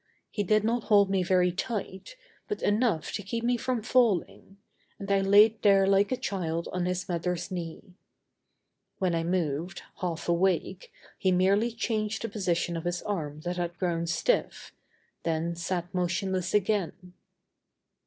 He did not hold me very tight, but enough to keep me from falling, and I laid there like a child on his mother's knee. When I moved, half awake, he merely changed the position of his arm that had grown stiff, then sat motionless again.